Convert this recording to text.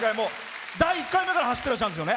第１回目から走ってらっしゃるんですよね。